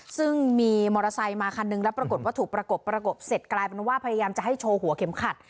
ซึ่งมีมอเตอร์ไซค์มาคันนึงแล้วปรากฏว่าถูกประกบประกบเสร็จกลายเป็นว่าพยายามจะให้โชว์หัวเข็มขัด